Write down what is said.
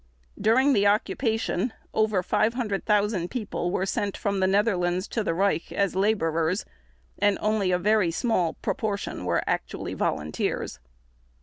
During the occupation over 500,000 people were sent from the Netherlands to the Reich as laborers and only a very small proportion were actually volunteers.